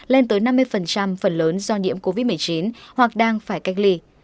lên tới năm mươi phần lớn do nhiễm covid một mươi chín hoặc đang phải cách ly